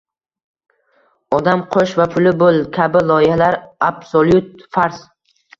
«Odam qo‘sh va pulli bo‘l» kabi loyihalar absolyut fars.